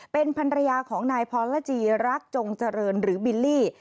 เป็นพันธุ์ระยะของนายพอลาจีลักษณ์โจงเจริญหรือบิลลี่